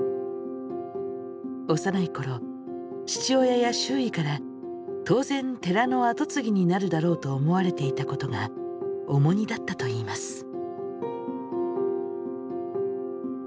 幼い頃父親や周囲から当然寺の後継ぎになるだろうと思われていたことが重荷だったといいます。